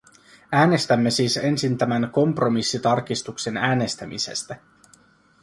Äänestämme siis ensin tämän kompromissitarkistuksen äänestämisestä.